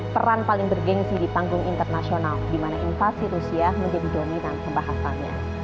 peran paling bergensi di panggung internasional di mana invasi rusia menjadi dominan pembahasannya